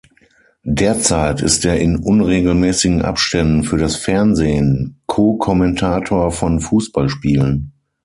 Derzeit ist er in unregelmäßigen Abständen für das Fernsehen Co-Kommentator von Fußballspielen.